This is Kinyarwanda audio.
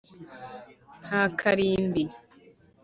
nta karimbi.